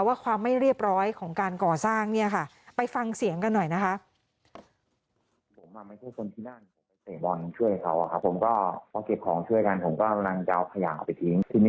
ว่าความไม่เรียบร้อยของการก่อสร้างเนี่ยค่ะไปฟังเสียงกันหน่อยนะคะ